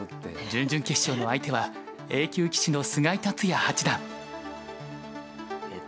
準々決勝の相手はＡ級棋士の菅井竜也八段。